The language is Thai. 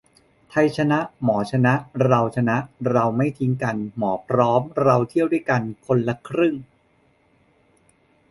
ไทยชนะ หมอชนะ เราชนะ เราไม่ทิ้งกัน หมอพร้อม เราเที่ยวด้วยกัน คนละครึ่ง